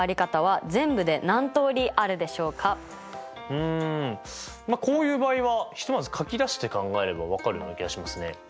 うんこういう場合はひとまず書き出して考えれば分かるような気がしますね。